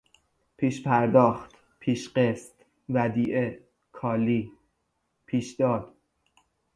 پیش پرداخت، پیش قسط، ودیعه، کالی، پیشداد